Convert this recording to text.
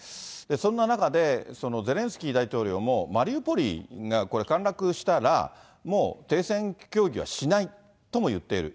そんな中で、ゼレンスキー大統領も、マリウポリが、これ、陥落したら、もう停戦協議はしないとも言っている。